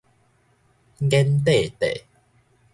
妍塊塊